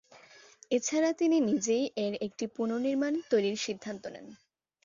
এছাড়া তিনি নিজেই এর একটি পুনর্নির্মাণ তৈরির সিদ্ধান্ত নেন।